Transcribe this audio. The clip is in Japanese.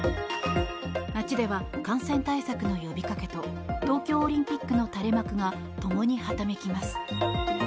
街では感染対策の呼びかけと東京オリンピックの垂れ幕が共にはためきます。